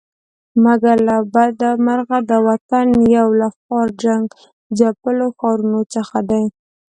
مګر له بده مرغه دا وطن یو له خورا جنګ ځپلو ښارونو څخه دی.